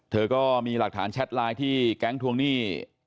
เธอก็มีหลักฐานแชทไลน์ที่แก๊งทวงหนี้